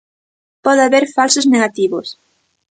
Pode haber falsos negativos.